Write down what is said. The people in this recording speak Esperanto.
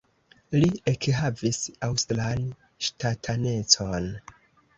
Li ekhavis aŭstran ŝtatanecon.